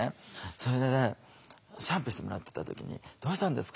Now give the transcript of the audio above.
それでねシャンプーしてもらってた時に「どうしたんですか？